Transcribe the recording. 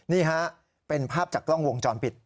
นี่ฮะเป็นภาพจากกล้องวงจรปิด